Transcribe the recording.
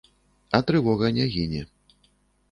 А трывога не гіне.